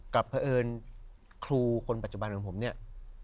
กลับเปอิญคุณปัจจุบันเหมือนผม